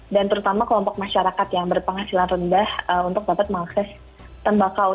dan terutama kelompok masyarakat yang berpenghasilan rendah untuk dapat mengakses tembakau